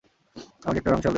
আমাকে একটা রাঙা শাল দেবে না?